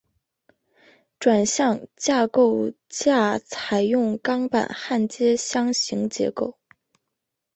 转向架构架采用钢板焊接箱型结构。